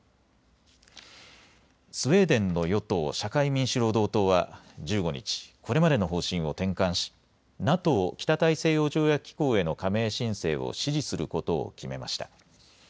民主労働党は１５日、これまでの方針を転換しＮＡＴＯ・北大西洋条約機構への加盟申請を支持することを決めました。